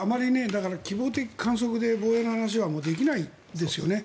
希望的観測で防衛の話はできないですよね。